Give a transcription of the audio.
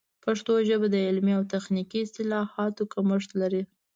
پښتو ژبه د علمي او تخنیکي اصطلاحاتو کمښت لري.